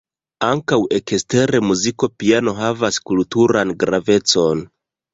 Ankaŭ ekster muziko piano havas kulturan gravecon.